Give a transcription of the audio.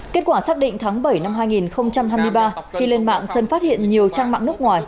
kết quả xác định tháng bảy năm hai nghìn hai mươi ba khi lên mạng sơn phát hiện nhiều trang mạng nước ngoài